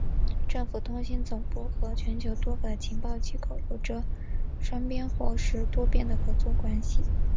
政府通信总部和全球多个情报机构有着双边或是多边的合作关系。